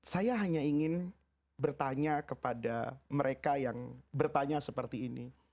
saya hanya ingin bertanya kepada mereka yang bertanya seperti ini